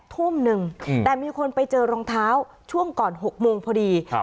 ทุ่มหนึ่งแต่มีคนไปเจอรองเท้าช่วงก่อน๖โมงพอดีครับ